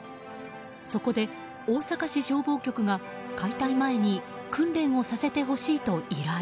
そこで大阪市消防局が、解体前に訓練をさせてほしいと依頼。